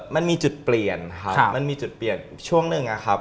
มันมีจุดเปลี่ยนครับมันมีจุดเปลี่ยนช่วงหนึ่งอะครับ